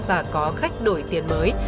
và có khách đổi tiền mới